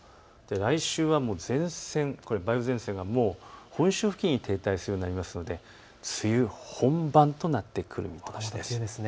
来週は梅雨前線が本州付近に停滞するようになりますので梅雨本番となってくるようです。